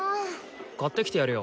買ってきてやるよ。